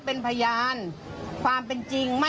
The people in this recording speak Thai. ขอลาย๑๘๐๐บาทบาทเจ้าละ๑๕๐บาท